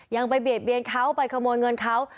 ยังไปเบียดเบียนเขาไปขโมยเงินเขา